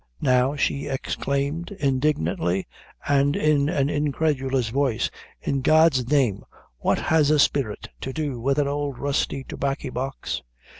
"Now," she exclaimed indignantly, and in an incredulous voice; "in God's name, what has a spirit to do with an old rusty Tobaccy box?